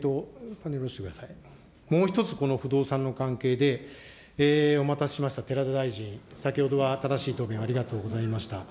もう一つこの不動産の関係で、お待たせしました、寺田大臣、先ほどは正しい答弁ありがとうございました。